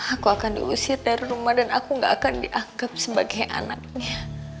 aku akan diusir dari rumah dan aku gak akan dianggap sebagai anaknya